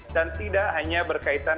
dan tidak hanya berkaitan